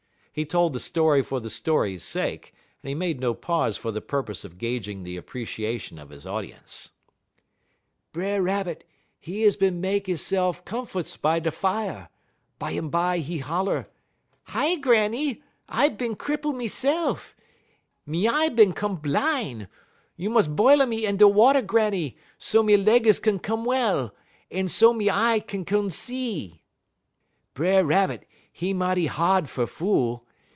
He told the story for the story's sake, and he made no pause for the purpose of gauging the appreciation of his audience. "B'er Rabbit, 'e is bin mek 'ese'f comfuts by da fier. Bumbye, 'e holler: "'Hi, Granny! I bin cripple mese'f; me y eye bin a come bline. You mus' bile a me in da water, Granny, so me leg is kin come well, en so me y eye kin come see.' "B'er Rabbit, 'e mighty ha'd fer fool.